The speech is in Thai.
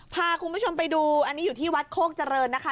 พาคุณผู้ชมไปดูอันนี้อยู่ที่วัดโคกเจริญนะคะ